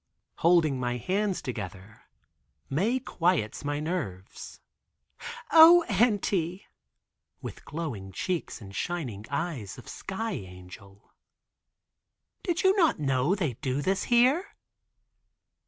Holding my hands together Mae quiets my nerves. "O, auntie," with glowing cheeks and shining eyes of sky angel. "Did you not know they do this here?